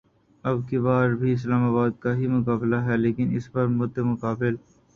اب کی بار بھی اسلام آباد کا ہی مقابلہ ہے لیکن اس بار مدمقابل